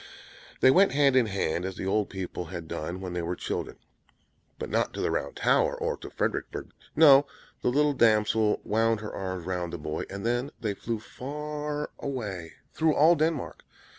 They went hand in hand, as the old people had done when they were children; but not to the Round Tower, or to Friedericksberg; no, the little damsel wound her arms round the boy, and then they flew far away through all Denmark.